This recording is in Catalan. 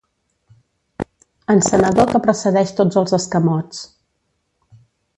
Encenedor que precedeix tots els escamots.